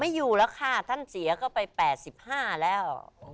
อยู่แล้วค่ะท่านเสียก็ไป๘๕แล้ว